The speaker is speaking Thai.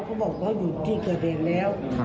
เขาบอกเขาอยู่ที่เกิดเหตุแล้ว